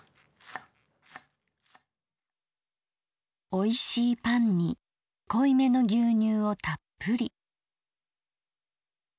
「おいしいパンに濃いめの牛乳をたっぷり。